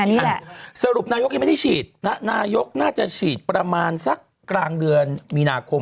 อันนี้สรุปนายกยังไม่ได้ฉีดนายกน่าจะฉีดประมาณสักกลางเดือนมีนาคม